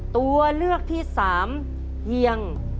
ตัวเลือกที่๓เฮียง